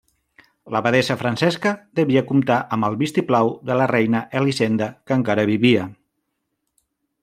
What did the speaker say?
L'abadessa Francesca devia comptar amb el vistiplau de la reina Elisenda, que encara vivia.